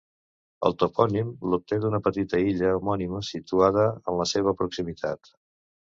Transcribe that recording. El topònim l'obté d'una petita illa homònima situada en la seva proximitat.